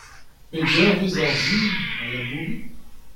Pet eurvezh ar sizhun a labourit ?